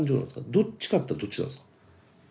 どっちかったらどっちなんですか？